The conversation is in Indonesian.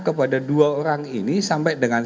kepada dua orang ini sampai dengan